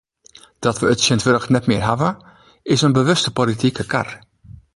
Dat we it tsjintwurdich net mear hawwe, is in bewuste politike kar.